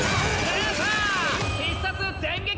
出た！